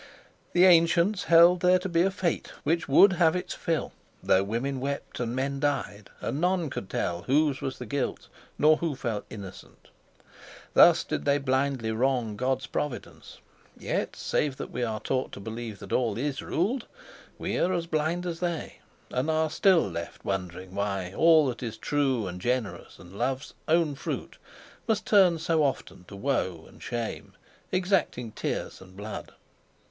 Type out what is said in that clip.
The ancients held there to be a fate which would have its fill, though women wept and men died, and none could tell whose was the guilt nor who fell innocent. Thus did they blindly wrong God's providence. Yet, save that we are taught to believe that all is ruled, we are as blind as they, and are still left wondering why all that is true and generous and love's own fruit must turn so often to woe and shame, exacting tears and blood.